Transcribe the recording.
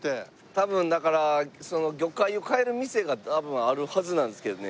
多分だから魚介を買える店があるはずなんですけどね。